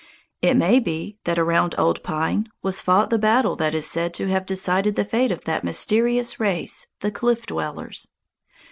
It may be that around Old Pine was fought the battle that is said to have decided the fate of that mysterious race the Cliff Dwellers.